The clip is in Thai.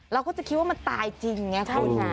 เราก็จะคิดว่ามันตายจริงไงคุณ